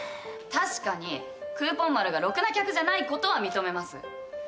確かにクーポンまるがろくな客じゃないことは認めます。